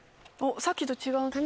さっきと違う。